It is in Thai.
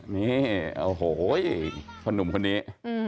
นี่โอ้โหคนหนุ่มคนนี้